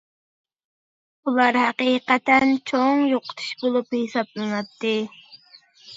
بۇلار ھەقىقەتەن چوڭ يوقىتىش بولۇپ ھېسابلىناتتى.